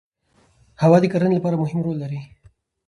هوا د کرنې لپاره مهم رول لري